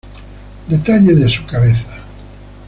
Detalle de su cabeza